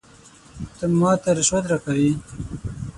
ته ماته رشوت راکوې ؟